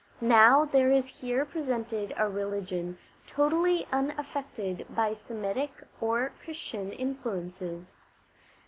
Now there is here presented a religion totally un affected by Semitic or Christian influences.